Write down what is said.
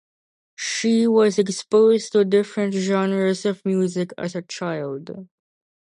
She was exposed to different genres of music as a child.